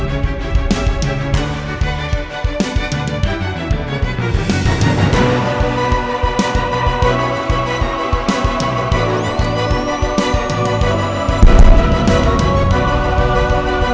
ya allah sembuhkanlah anakku ya allah